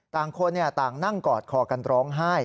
ต่างคนต่างนั่งกอดคอกันร้องไห้